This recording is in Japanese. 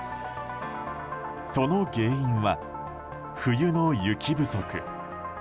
その原因は冬の雪不足。